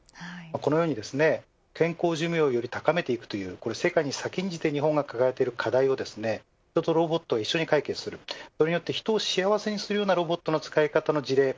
このように健康寿命をより高めていくという世界に先んじて日本が抱えている課題を人とロボットが一緒に解決する人を幸せにするロボットの使い方の事例。